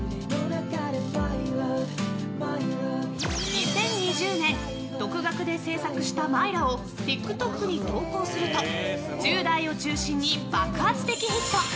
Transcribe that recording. ２０２０年独学で制作した「Ｍｙｒａ」をＴｉｋＴｏｋに投稿すると１０代を中心に爆発的ヒット！